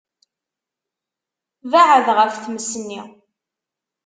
Beεεed ɣef tmes-nni.